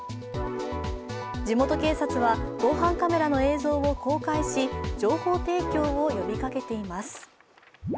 地元警察は防犯カメラの映像を公開し、情報提供を呼びかけています。